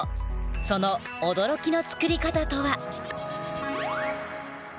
その驚きの造り方とは？